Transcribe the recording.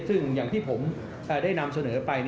ซึ่งอย่างที่ผมได้นำเสนอไป